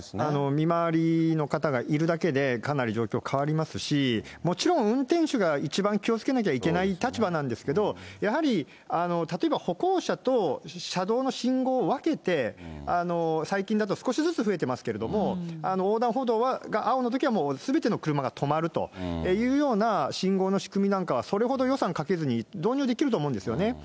見回りの方がいるだけでかなり状況変わりますし、もちろん運転手が一番気をつけなきゃいけない立場なんですけど、やはり例えば、歩行者と車道の信号を分けて、最近だと少しずつ増えてますけれども、横断歩道が青のときはすべての車が止まるというような信号の仕組みなんかは、それほど予算かけずに導入できると思うんですよね。